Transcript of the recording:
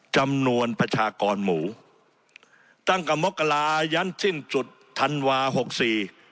จำนวนประชากรหมู่ตั้งกับมกรายันที่จุดธันวาหกสี่